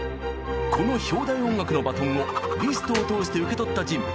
この「標題音楽」のバトンをリストを通して受け取った人物。